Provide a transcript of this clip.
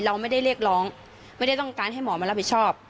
เราไม่ได้เรียกร้องไม่ได้ต้องการให้หมอมารับผิดชอบ